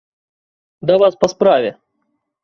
Да вас па справе!